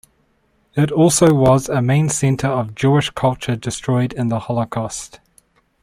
It also was a main center of Jewish culture, destroyed in The Holocaust.